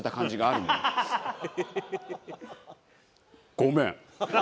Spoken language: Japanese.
ごめん。